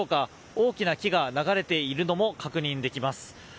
大きな木が流れているのも確認できます。